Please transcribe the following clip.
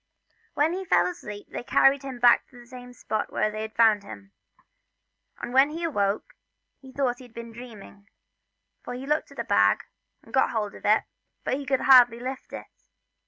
When he was asleep they carried him back to the same spot where they had found him, and when he awoke he thought he had been dreaming, so he looked for his bag, and got hold of it, but he could hardly lift it.